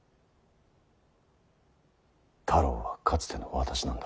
太郎はかつての私なんだ。